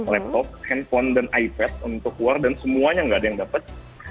laptop handphone dan ipad untuk war dan semuanya nggak ada yang dapat